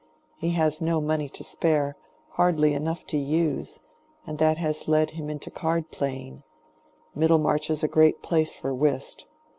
He has no money to spare—hardly enough to use; and that has led him into card playing—Middlemarch is a great place for whist.